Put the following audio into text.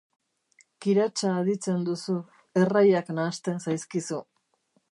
Kiratsa aditzen duzu, erraiak nahasten zaizkizu.